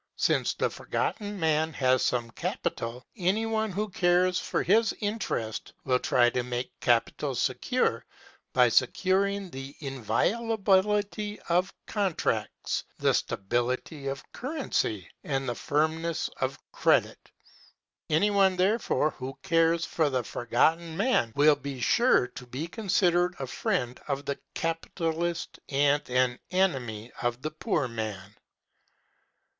Since the Forgotten Man has some capital, any one who cares for his interest will try to make capital secure by securing the inviolability of contracts, the stability of currency, and the firmness of credit. Any one, therefore, who cares for the Forgotten Man will be sure to be considered a friend of the capitalist and an enemy of the poor man.